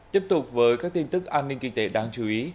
tiếp tục với các tin tức an ninh kinh tế đáng chú ý